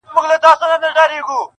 د زړه كاڼى مــي پــر لاره دى لــوېـدلى